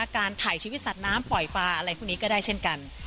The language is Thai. การถ่ายชีวิตสัตว์น้ำปล่อยปลาอะไรพวกนี้ก็ได้เช่นกัน